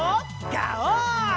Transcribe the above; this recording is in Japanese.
ガオー！